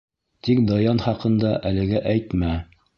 Тик Даян хаҡында әлегә әйтмә.